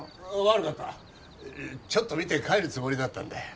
悪かったちょっと見て帰るつもりだったんだよ